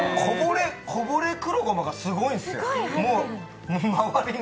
こぼれ黒ごまがすごいんですよ、周りに。